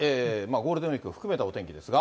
ゴールデンウィークを含めたお天気ですが。